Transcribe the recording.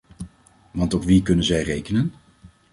Want op wie kunnen zij rekenen?